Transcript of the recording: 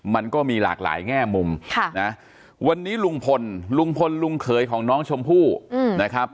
มันก็มีหลากหลายแง่มุมวันนี้ลุงพลลุงพลลุงเขยของน้องชมพู่นะครับ